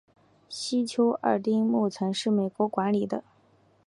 西丘二丁目曾是美军管理的。